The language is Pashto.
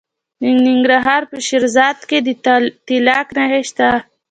د ننګرهار په شیرزاد کې د تالک نښې شته.